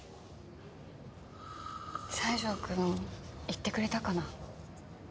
西条くん行ってくれたかな？